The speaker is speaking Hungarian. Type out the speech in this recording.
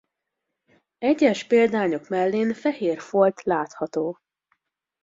Egyes példányok mellén fehér folt látható.